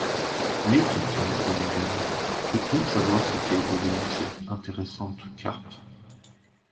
Mais, questionna Tony Renault, peut-on savoir ce qu’est devenue cette intéressante carpe?...